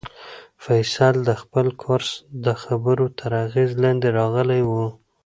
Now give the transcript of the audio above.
فیصل د خپل کورس د خبرو تر اغېز لاندې راغلی و.